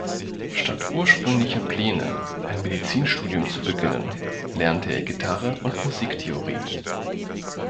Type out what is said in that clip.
Statt ursprünglicher Pläne, ein Medizinstudium zu beginnen, lernte er Gitarre und Musiktheorie.